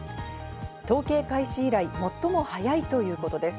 統計開始以来、最も早いということです。